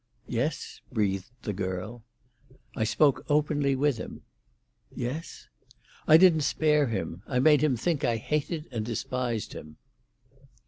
"Yes?" breathed the girl. "I spoke openly with him." "Yes?" "I didn't spare him. I made him think I hated and despised him."